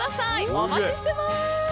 お待ちしてます！